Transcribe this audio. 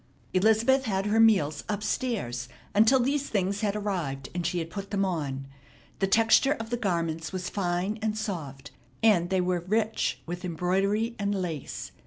Elizabeth had her meals up stairs until these things had arrived and she had put them on. The texture of the garments was fine and soft, and they were rich with embroidery and lace.